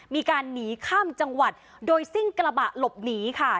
มีการหนีข้ามจังหวัดโดยซิ่งกระบะหลบหนีค่ะ